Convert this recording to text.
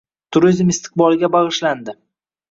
Turizm istiqboliga bagʻishlandi